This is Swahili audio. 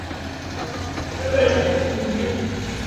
kilimo cha viazi vitam vya lishe